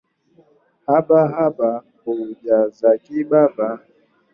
Mfumo wa elimu hauko sawa kwa wote